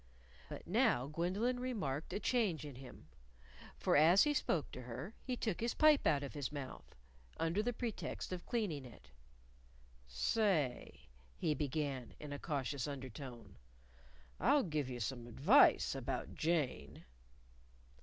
But now Gwendolyn remarked a change in him. For as he spoke to her, he took his pipe out of his mouth under the pretext of cleaning it. "Say!" he began in a cautious undertone: "I'll give you some advice about Jane."